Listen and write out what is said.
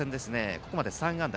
ここまで３安打。